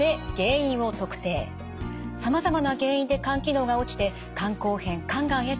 さまざまな原因で肝機能が落ちて肝硬変肝がんへと進行します。